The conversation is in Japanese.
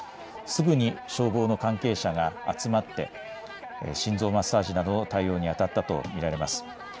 すぐに消防の関係者が集まって心臓マッサージなどの対応にあたったと見られます。